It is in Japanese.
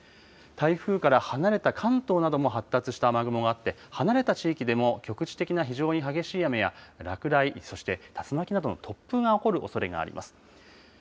台風から離れた関東なども、発達した雨雲があって、離れた地域でも局地的な非常に激しい雨や落雷、そして竜巻などの突風が起こるおそれがあります。